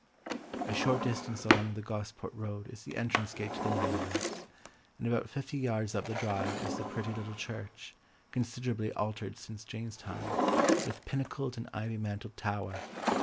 A short distance along the Gosport Road is the entrance gate to the Manor House, and about fifty yards up the drive is the pretty little church, considerably altered since Jane's time, with pinnacled and ivy mantled tower.